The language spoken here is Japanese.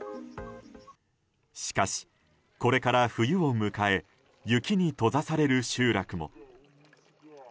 しかし、これから冬を迎え雪に閉ざされる集落も。